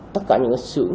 tất cả những cái sửu